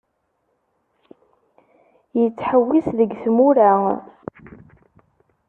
Yettḥewwis deg tmura